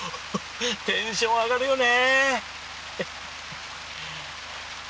テンション上がるよね！